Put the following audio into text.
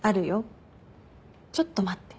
ちょっと待って。